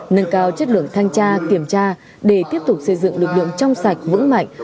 nâng cao chất lượng thanh tra kiểm tra để tiếp tục xây dựng lực lượng trong sạch vững mạnh